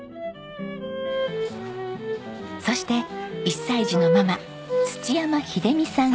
そして１歳児のママ土山秀美さん。